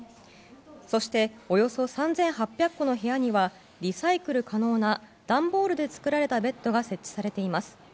そしておよそ３８００戸の部屋にはリサイクル可能な段ボールで作られたベッドが設置されています。